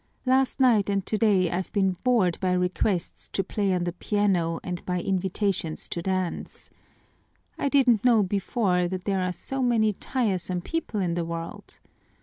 Last night and today I've been bored by requests to play on the piano and by invitations to dance. I didn't know before that there are so many tiresome people in the world!